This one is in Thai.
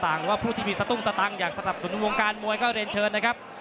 หรือว่าผู้ที่มีสตุ้งสตังค์อยากสนับสนุนวงการมวยก็เรียนเชิญนะครับ